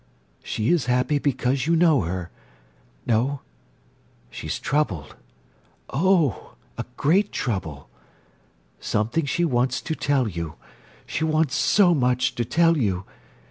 "She is happy because you know her. No—she is troubled. Oh—a great trouble! Something she wants to tell you. She wants so much to tell you.